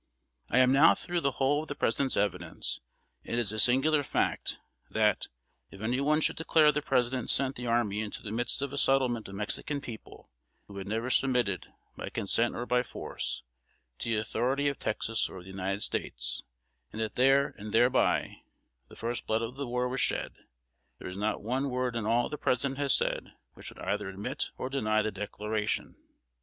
I am now through the whole of the President's evidence; and it is a singular fact, that, if any one should declare the President sent the army into the midst of a settlement of Mexican people, who had never submitted, by consent or by force, to the authority of Texas or of the United States, and that there, and thereby, the first blood of the war was shed, there is not one word in all the President has said which would either admit or deny the declaration.